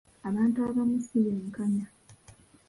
Abantu abamu si benkanya.